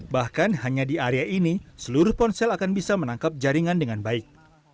bahkan hanya di area ini seluruh ponsel akan bisa menangkap jaringan dengan baik